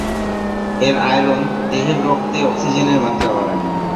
এর আয়রন দেহের রক্তে অক্সিজেনের মাত্রা বাড়ায়।